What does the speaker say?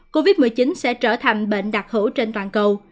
covid một mươi chín sẽ trở thành bệnh đặc hữu trên toàn cầu